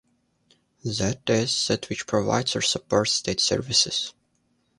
That is, that which provides or supports state services.